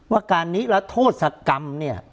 ว่าการนี้และโทษสกรรม